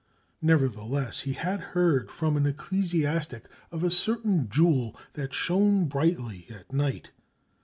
Nevertheless, he had heard from an ecclesiastic of a certain jewel that shone brightly at night.